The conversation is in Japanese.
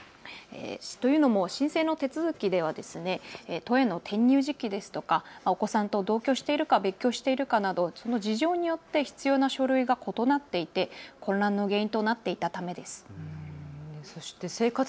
というのも申請の手続きでは都への転入時期ですとかお子さんと同居をしているか、別居しているか、その事情によって必要な書類が異なっていて混乱の原因となっていたためです。